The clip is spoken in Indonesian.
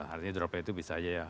artinya droplet itu bisa saja ya